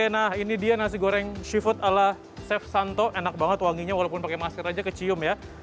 nah ini dia nasi goreng seafood ala chef santo enak banget wanginya walaupun pakai masker aja kecium ya